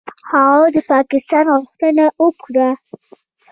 هغه د پاکستان غوښتنه وکړه.